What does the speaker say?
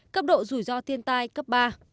cấp độ rủi ro thiên tai cấp ba